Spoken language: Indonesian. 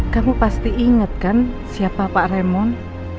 kamu pasti ingat kan siapa pak remon